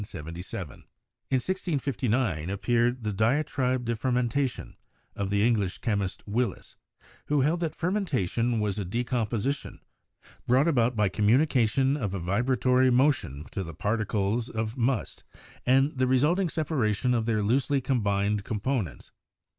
In 1659 appeared the 'Diatribe de Fermentation' of the English chemist Willis, who held that fermentation was a decomposition brought about by communication of a vibratory motion to the particles of must, and the re sulting separation of their loosely combined components.